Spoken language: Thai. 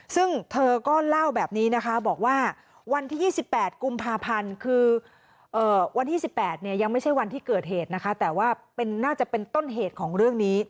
ซึ่งเธอก็เล่าแบบนี้นะคะบอกว่าวันที่ยี่สิบแปดกุมภาพันธ์คือ